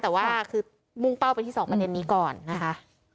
แต่ว่าคือมุ่งเป้าไปที่๒ประเด็นนี้ก่อนนะคะ